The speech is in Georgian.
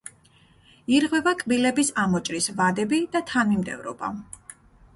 ირღვევა კბილების ამოჭრის ვადები და თანმიმდევრობა.